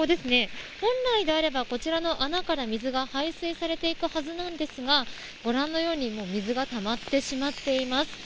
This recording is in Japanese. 本来であれば、こちらの穴から水が排水されていくはずなんですがご覧のように水がたまってしまっています。